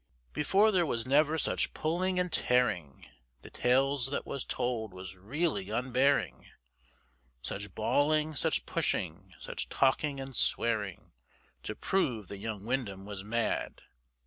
Before there was never such pulling and tearing, The tales that was told was really unbearing, Such bawling, such pushing, such talking, & swearing, To prove that young Windham was mad.